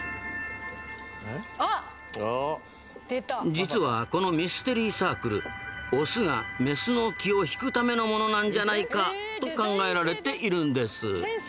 実はこのミステリーサークルオスがメスの気を引くためのものなんじゃないかと考えられているんです。